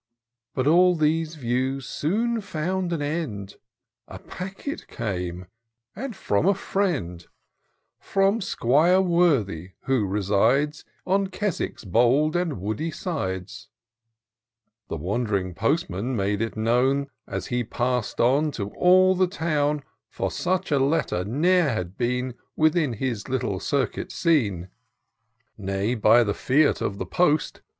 But all these views soon found an end: A packet came, and from a friend, 356 TOUR OF DOCTOR SYNTAX From 'Squire Worthy, who resides On Keswick's bold and woody sides. The wond'ring postman made it known, As he pass'd on, to all the town ; For such a letter ne'er had been Within his little circuit seen : Nay, by the fiat of the post.